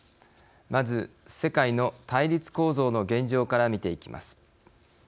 まず世界の対立構造の現状から見ていきます。